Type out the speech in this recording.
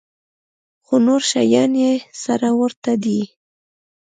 خو نور شيان يې سره ورته دي.